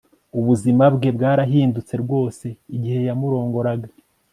Ubuzima bwe bwarahindutse rwose igihe yamurongoraga